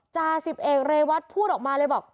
จ่าสิบเอกเรวัตพูดออกมาเลยบอก